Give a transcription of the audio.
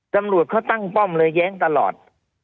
ตำรวจเขาตั้งป้อมเลยแย้งตลอด